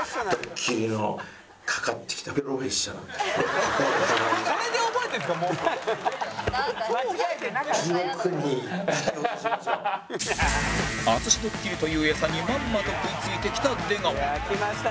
淳ドッキリという餌にまんまと食い付いてきた出川